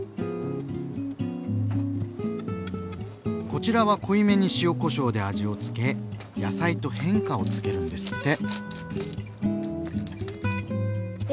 こちらは濃いめに塩こしょうで味を付け野菜と変化をつけるんですって。